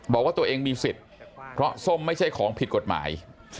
บอกว่าตัวเองมีสิทธิ์เพราะส้มไม่ใช่ของผิดกฎหมาย